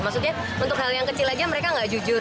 maksudnya untuk hal yang kecil aja mereka nggak jujur